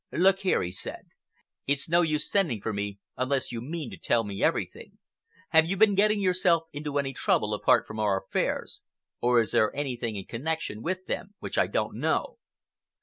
"Look here," he said, "it's no use sending for me unless you mean to tell me everything. Have you been getting yourself into any trouble apart from our affairs, or is there anything in connection with them which I don't know?"